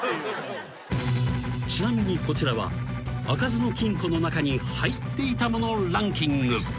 ［ちなみにこちらは開かずの金庫の中に入っていたものランキング］